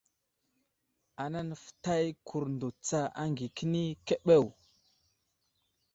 Ana nəfətay kurndo tsa aŋgay kəni keɓew.